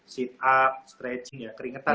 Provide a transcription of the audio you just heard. sit up stretching ya keringetan